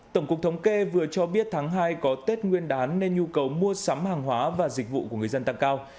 tổng cục thống kê vừa cho biết tháng hai có tết nguyên đán nên nhu cầu mua sắm hàng hóa và dịch vụ của người dân tăng cao